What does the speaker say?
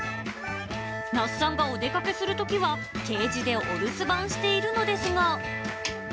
奈須さんがお出かけするときは、ケージでお留守番しているのですが。